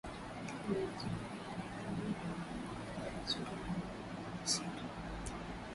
Jumamosi jioni maandamano ya hapa na pale yalizuka miongoni mwa Wa shia katika ufalme wa karibu huko nchini Bahrain, kuhusiana na mauaji